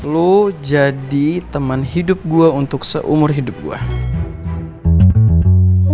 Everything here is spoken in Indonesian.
lo jadi teman hidup gua untuk seumur hidup gue